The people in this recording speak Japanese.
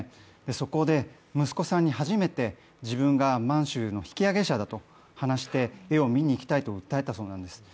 そこで息子さんに始めて自分が満州からの引揚者だと話して絵を見に行きたいと訴えたそうなんです。